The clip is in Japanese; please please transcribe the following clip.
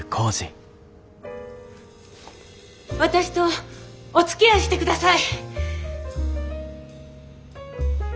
私とおつきあいしてください。